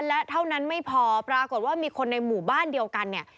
และเท่านั้นไม่พอปรากฏว่ามีคนในหมู่บ้านเดียวกันเนี่ย